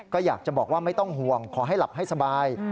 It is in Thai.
ก็อยากจะบอกว่าไม่ต้องห่วงขอให้หลับให้สบาย